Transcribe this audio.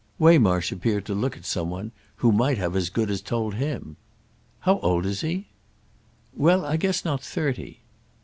Waymarsh appeared to look at some one who might have as good as told him. "How old is he?" "Well, I guess not thirty."